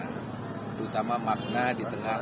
terutama makna di tengah